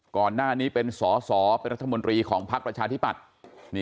ก่อนหน้านี้เป็นสอสอเป็นรัฐมนตรีของพักประชาธิปัตย์